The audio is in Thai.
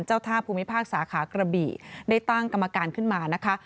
ท่าภูมิภาคสาขากระบี่ได้ตั้งกรรมการขึ้นมานะคะ